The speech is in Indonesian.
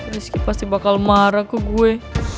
rizky pasti bakal marah ke gue